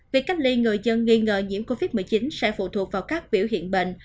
việc cách ly người dân nghi ngờ nhiễm covid một mươi chín sẽ phụ thuộc vào các biểu hiện bệnh